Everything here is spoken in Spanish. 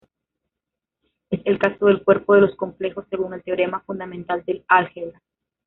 Es el caso del cuerpo de los complejos, según el Teorema Fundamental del Álgebra.